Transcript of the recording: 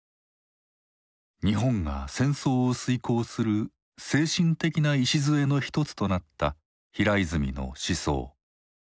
日本が戦争を遂行する精神的な礎の一つとなった平泉の思想。